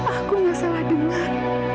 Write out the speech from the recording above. aku nggak salah dengar